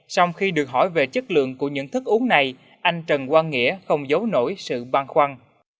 sau khi được hỏi về chất lượng của những thức uống này anh trần quang nghĩa không giấu nổi sự băn khoăn